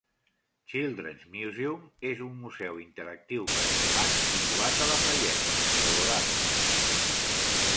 Children's Museum és un museu interactiu per a infants situat a Lafayette, Colorado.